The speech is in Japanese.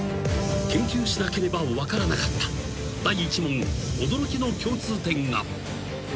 ［研究しなければ分からなかった第１問驚きの共通点が］